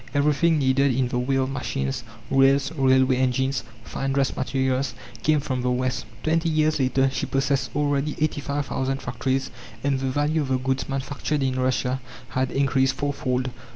Everything needed in the way of machines, rails, railway engines, fine dress materials, came from the West. Twenty years later she possessed already 85,000 factories, and the value of the goods manufactured in Russia had increased fourfold.